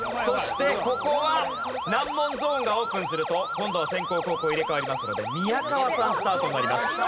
そしてここは難問ゾーンがオープンすると今度は先攻後攻入れ替わりますので宮川さんスタートになります。